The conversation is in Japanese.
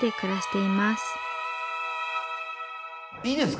いいですか？